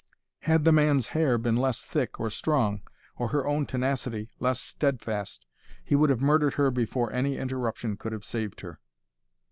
Had the man's hair been less thick or strong, or her own tenacity less steadfast, he would have murdered her before any interruption could have saved her.